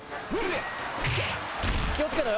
気を付けろよ。